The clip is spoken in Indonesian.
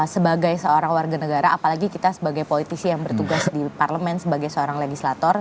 sebagai seorang warga negara apalagi kita sebagai politisi yang bertugas di parlemen sebagai seorang legislator